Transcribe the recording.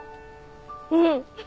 うん！